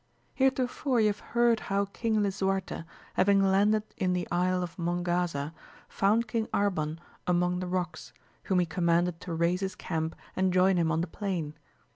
^EEETOFOKE you have heard how King Lisuarte, having landed in the Isle of Mongaza, found King Arban among the rocks, whom he commanded to raise his camp and join him on the plain.